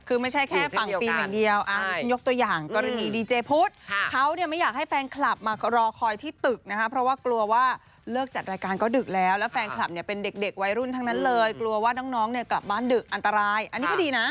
คือไม่ใช่แค่ฝั่งฟิล์มอย่างเดียวอันนี้ฉันยกตัวอย่างกรณีดีเจพุทธเขาเนี่ยไม่อยากให้แฟนคลับมารอคอยที่ตึกนะคะเพราะว่ากลัวว่าเลิกจัดรายการก็ดึกแล้วแล้วแฟนคลับเนี่ยเป็นเด็กวัยรุ่นทั้งนั้นเลยกลัวว่าน้องเนี่ยกลับบ้านดึกอันตรายอันนี้ก็ดีนะ